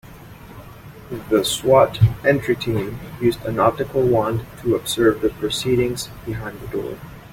The S.W.A.T. entry team used an optical wand to observe the proceedings behind the door.